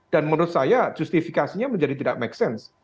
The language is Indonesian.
dan menurut saya justifikasinya menjadi tidak make sense